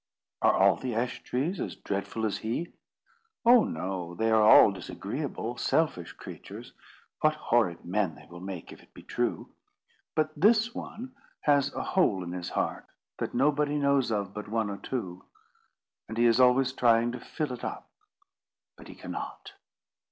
"Are all the ash trees as dreadful as he?" "Oh, no. They are all disagreeable selfish creatures—(what horrid men they will make, if it be true!)—but this one has a hole in his heart that nobody knows of but one or two; and he is always trying to fill it up, but he cannot.